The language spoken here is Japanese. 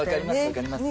分かります。